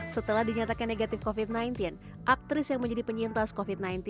setelah dinyatakan negatif covid sembilan belas aktris yang menjadi penyintas covid sembilan belas